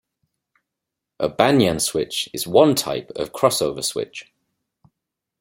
A banyan switch is one type of cross-over switch.